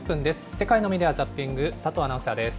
世界のメディア・ザッピング、佐藤アナウンサーです。